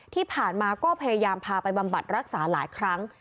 ที่ผ่านมาก็พยายามพาไปบำบัดรักษาหลายครั้ง